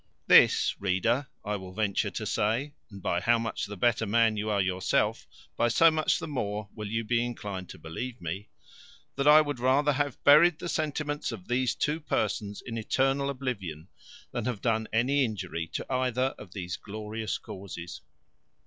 This, reader, I will venture to say (and by how much the better man you are yourself, by so much the more will you be inclined to believe me), that I would rather have buried the sentiments of these two persons in eternal oblivion, than have done any injury to either of these glorious causes.